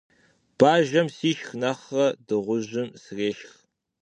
Bajjem sişşx nexhre dığujım srêşşx.